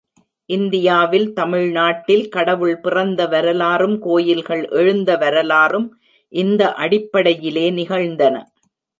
இந்தியாவில் தமிழ் நாட்டில் கடவுள் பிறந்த வரலாறும் கோயில்கள் எழுந்த வரலாறும் இந்த அடிப்படையிலே நிகழ்ந்தன.